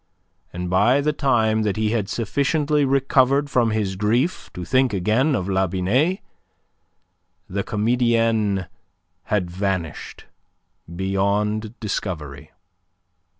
And by the time that he had sufficiently recovered from his grief to think again of La Binet, the comedienne had vanished beyond discovery.